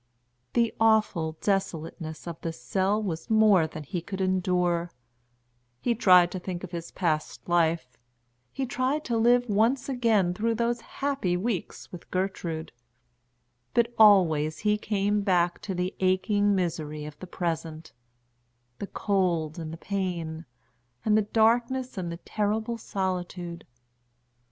The awful desolateness of the cell was more than he could endure; he tried to think of his past life, he tried to live once again through those happy weeks with Gertrude; but always he came back to the aching misery of the present the cold and the pain, and the darkness and the terrible solitude.